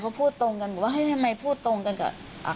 มองตรงเลยประมาณห้าร้านอ่ะอ่ะห้าร้านรวมสวนรวมลงรถนะค่ะ